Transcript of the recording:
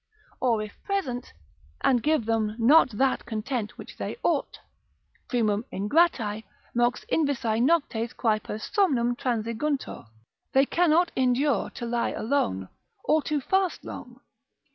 Or if present, and give them not that content which they ought, Primum ingratae, mox invisae noctes quae per somnum transiguntur, they cannot endure to lie alone, or to fast long.